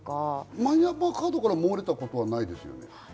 マイナンバーカードから漏れたことないですよね？